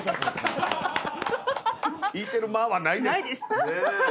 「聞いてる間はないです」